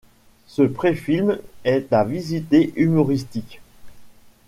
Ce pré-film est à visée humoristique.